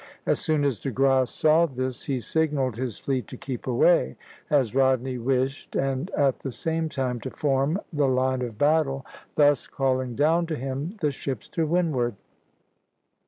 As soon as De Grasse saw this he signalled his fleet to keep away (c), as Rodney wished, and at the same time to form the line of battle, thus calling down to him the ships to windward.